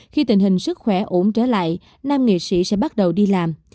khi tình hình sức khỏe ổn trở lại nam nghệ sĩ sẽ bắt đầu đi làm